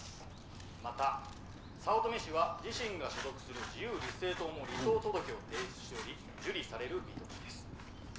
また早乙女氏は自身が所属する自由立政党も離党届を提出しており受理される見通しです。